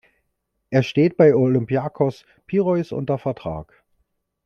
Er steht bei Olympiakos Piräus unter Vertrag.